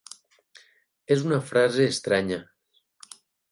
És una frase estranya.